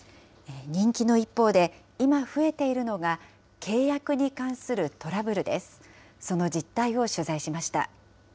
人気の一方で、今増えているのが、契約に関するトラブルです。